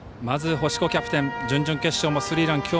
まず星子キャプテン準々決勝もスリーラン。